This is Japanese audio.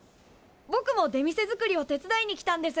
ぼくも出店作りを手伝いに来たんです。